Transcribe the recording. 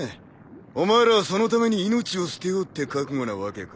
お前らはそのために命を捨てようって覚悟なわけか。